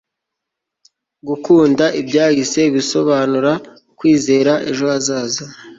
gukunda ibyahise bisobanura kwizera ejo hazaza